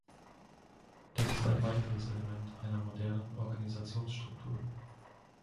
Das ist ein weiteres Element einer modernen Organisationsstruktur.